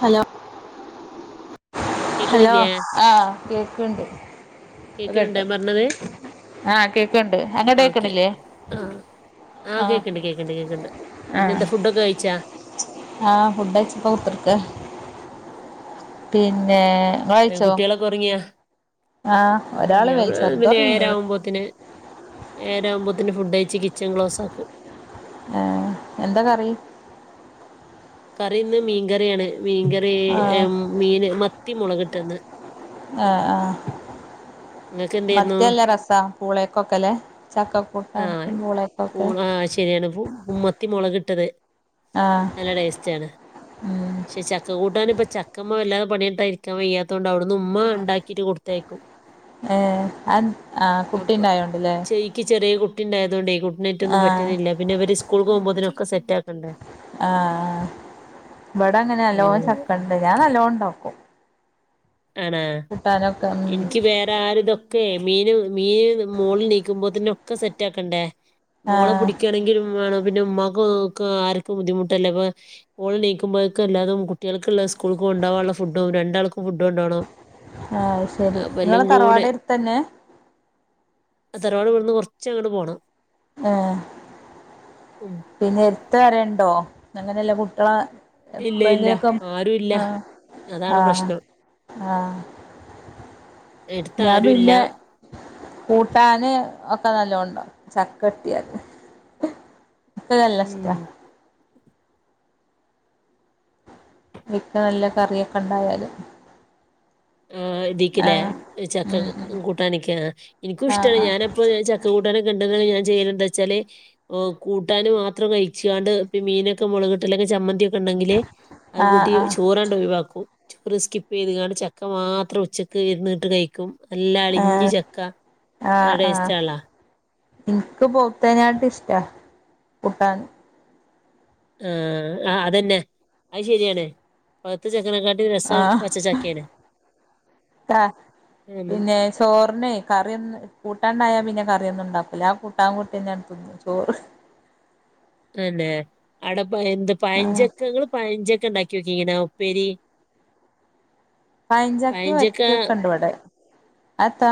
Hello hello കേക്ക്ണില്ലേ ആ കേക്ക്ണ്ട് കേക്ക്ണ് ണ്ടോ കേട്ട് ഞാപർഞ്ഞത് ആഹ് കേക്ക്ണ്ട് അങ്ങട്ട് ഓക്കെ കേക്ക്ണില്ലേ ആ ആ ആഹ് കേക്ക്ണ്ട് കേക്ക്ണ്ട് കേക്ക്ണ്ട് പിന്നെ എന്താ ഫുഡൊക്കെ കഴിച്ചാ ആ ഫുഡയ്ച്ച്പ്പോകുത്തർക്ക പിന്നെ ഏ ഇങ്ങളാഴ്ചോ ആ ഞമ്മ പിന്നെ ചെർതൊർങ്ങീന് ഏരാകുമ്പോത്തിന് ഏരാകുമ്പോ ത്തിന് ഫുഡയ്ച്ച് കിച്ചൺ ക്ലോസാക്കും ആ എന്താ കറി കറിന്ന് മീൻകറ്യാണ് മീൻകറി ആഹ് മീന് മ ത്തി മുളകിട്ടന്ന് ആ ആ ഇങ്ങക്ക് എന്തേര്ന്നു മത്ത്യല്ലരസ പൂളേക്കൊക്കല്ലേ ആ പൂ അഅ് ശെരിയാണ് പു മത്തി മൊളകിട്ട ട്ടത് ആഹ് നല്ല ടേസ്റ്റാണ് ഉം പക്ഷെ ചക്ക കൂട്ടാനിപ്പോ ചക്കമ്മേ വല്ല പണിട്ടായിരിക്കാൻ വയ്യാത്തൊണ്ട് അവിടുന്ന് ഉമ്മ ഇണ്ടാക്കിട്ട് കൊടുത്തയക്കും ഏ ആ ആ അപ്പൊ കുട്ടിണ്ടായോണ്ട്ല്ലേ ചേയ്ക്ക് ചെറിയ കുട്ടിണ്ടായ തൊണ്ടെ ഗുഡ് നൈ റ്റൊന്നും ആഹ് പറ്റ്ന്നില്ല പിന്നെ വര് സ്കൂൾ പോവുമ്പോതിനൊ ക്കെ സെറ്റാക്കണ്ടേ ആ ഇവടെ ങ്ങനെ നല്ലോ ഉം ചക്കണ്ട് ഞാൻ നല്ലോ ണ്ടാക്കും ആണാ ഉം എനിക്ക് വേറെ ആരി ഇതൊക്കെ മീൻ മീന് മോള് നീക്കുമ്പോതിനൊക്കെ സെറ്റാക്കണ്ടേ മോളെ ആഹ് പിടിക്കയാണെങ്കിലും മാണം പിന്നെ ഉമ്മാക്ക് ക്ക് ആർക്ക് ബുദ്ധിമുട്ടല്ലേ അപ്പ മോൾ എണീക്ക്മ്പഴേക്ക് അല്ലാതും കുട്ടികൾക്കുള്ള സ്കൂൾ കൊണ്ടവാനുള്ള ഫുഡ്ഡും രണ്ടാൾക്കും ഫുഡ്ഡും കൊണ്ടോണം ആഹ് ശെരി. ഇങ്ങളെ എല്ലാം കൂടെ തറവാടട്ത്തന്നേ? തറവാട് ഇവിടുന്ന് കുറച്ചങ്ങട്ട് പോണം ഓഹ് ഉം പിന്നെ അട്ത്ത് ആരെണ്ടോ? അങ്ങനെയല്ല കുട്ടാ ഇല്ല ഇല്ല എപ്പഴെങ്കിലുക്കെ ആരും ഇല്ല ആ അതാണ് ആ പ്രശ്നം ആ എടുത്ത് ഞാൻ ആരും ഇല്ല പിന്നെ കൂട്ടാന് ഒക്കെ നല്ലോ ചക്കട്ടിയത് ക്ക് ഉം നല്ലഷ്ട്ടാ മിക്ക നല്ല കറിയൊക്കെ ഇണ്ടായാലും ആ ഇതീക്കില്ലേ ചക്ക ഉം ഉം കൂട്ടാനൊക്കെ. എനിക്കും ഇഷ്ടാണ്. ആഹ് ആഹ് ഞാനെപ്പോ ചക്ക കൂട്ടാനൊ ഇൺ ഞാൻ ചെയ്യുന്ന എന്താ വെച്ചാല് ഈഹ് കൂട്ടാൻ മാത്രം കഴിച്ചാണ്ട് മീനൊക്കെ മുളകിട്ട് അല്ലെങ്കിൽ ചമ്മന്തി ഉണ്ടെങ്കില് അത് കൂട്ടി ആഹ് ചോറാണ്ട് ഒഴിവാക്കും ചോറ് സ്കിപ്പ് ചെയ്ത് കാണ്ട്‌ ചക് ക്ക മാത്രം ഉച്ചയ്ക്ക് ഇരുന്നിട്ട് കഴിക്കും ആഹ് നല്ലഅളിഞ്ഞ ആഹ് ചക്ക. നല്ല ടേസ്റ്റാണല്ല എനിക്ക് പോത്തേനായിട്ട് ഇഷ്ടാ കൂട്ടാൻ ആ അതെന്നെ അത് ശരിയാണ് പൌത്ത ചക്ക ആ പ ഉം, പിന്നെ ചോറിനെ കറിയൊന്ന് കൂ ട്ടാണ്ടായാ പിന്നെ കറിയൊന്നുണ്ടാക്കൂല്ല. ആ കൂട്ടാൻ കൂട്ടിന്നെ തിന്നും ചോറ് തന്നെ? അടപ് എന്ത് പയഞ്ചക്കകള് പഴഞ്ച ക്ക ഇണ്ടാക്കി നോക്കിക്ക്നോ ഉപ്പേരി പയഞ്ചക്കിം പഴഞ്ചക്ക വരിക്കിം ഒക്കെണ്ട് ഇവിടെ അത്ത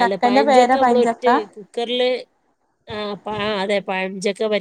ഏല്ല പഴഞ്ചക്കെ നമ്മള ഒറ്റ കുക്കറില്, ആ പ അതെ പഴഞ്ച ക്ക വരി